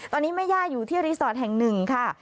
ตอนนี้แม่ย่าอยู่ที่รีสอร์ทแห่งหนึ่งค่ะ